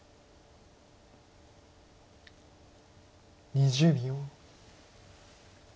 ２０秒。